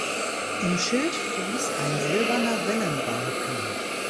Im Schildfuß ein silberner Wellenbalken.